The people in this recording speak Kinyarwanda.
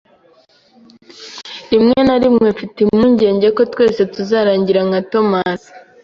Rimwe na rimwe mfite impungenge ko twese tuzarangira nka Tomasi.